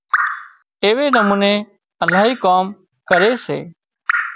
ايوي نموني الاهي ڪام ڪري سي